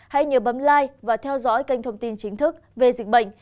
hãy nhớ bấm lai và theo dõi kênh thông tin chính thức về dịch bệnh